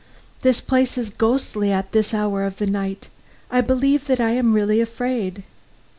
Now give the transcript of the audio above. "The place is ghostly at this hour of the night. I believe that I am really afraid."